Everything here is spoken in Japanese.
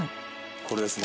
これですね